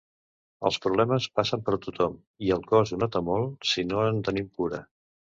Els problemes passen per tothom i el cos ho nota molt si no en tenim cura.